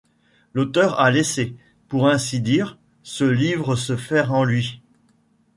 L’auteur a laissé, pour ainsi dire, ce livre se faire en lui.